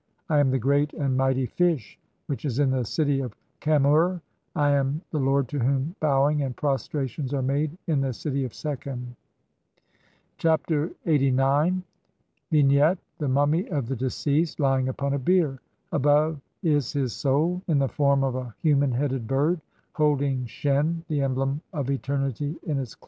I am the great and Mighty Fish which is in the city "of Qem ur. I am (5) the lord to whom bowing and prostrations "[are made] in the city of Sekhem." Chapter LXXXIX. [From the Papyrus of Ani (Brit. Mus. No. 10,470, sheet 17).] Vignette : The mummy of the deceased lying upon a bier ; above is his soul in the form of a human headed bird, holding shen, the emblem of eternity, in its claws.